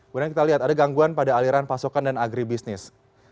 kemudian kita lihat ada gangguan pada aliran pasokan dan agribisnis